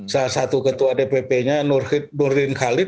salah satu ketua dpp nya nurdin khalid